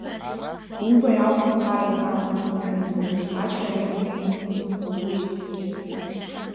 Убаҩ ауп мацара инаргаз унышәынҭраҿы, ачҳареи агәи иумаз ҳзынужьит зегьы.